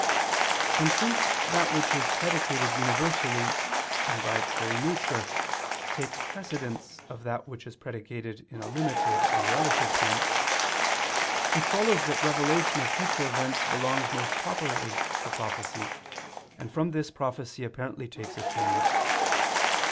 And since that which is predicated universally and by its very nature, takes precedence of that which is predicated in a limited and relative sense, it follows that revelation of future events belongs most properly to prophecy, and from this prophecy apparently takes its name.